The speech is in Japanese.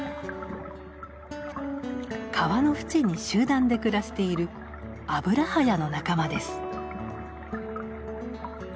川のふちに集団で暮らしているアブラハヤの仲間です。